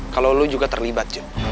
kalau lu juga terlibat